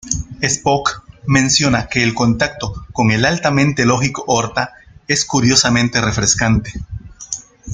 Spock menciona que el contacto con el altamente lógico Horta es "curiosamente refrescante".